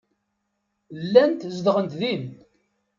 Llant zedɣent din.